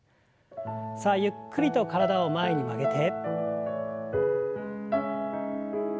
さあゆっくりと体を前に曲げて。